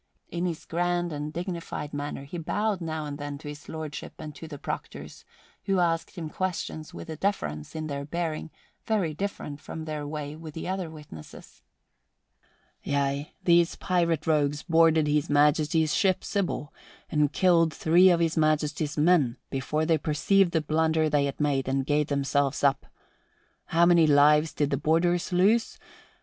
In his grand and dignified manner he bowed now and then to His Lordship and to the proctors, who asked him questions with a deference in their bearing very different from their way with the other witnesses. "Yea, these pirate rogues boarded His Majesty's ship Sybil and killed three of His Majesty's men before they perceived the blunder they had made and gave themselves up. How many lives did the boarders lose?